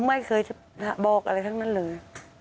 ไม่เคยบอกอะไรทั้งนั้นเลย